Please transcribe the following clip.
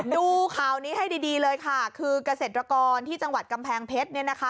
ดูข่าวนี้ให้ดีเลยค่ะคือเกษตรกรที่จังหวัดกำแพงเพชรเนี่ยนะคะ